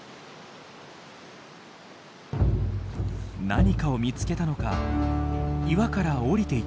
何かを見つけたのか岩から降りていきます。